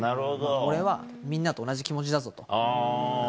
俺は、みんなと同じ気持ちだぞと。